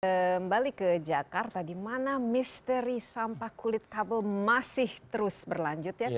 kembali ke jakarta di mana misteri sampah kulit kabel masih terus berlanjut ya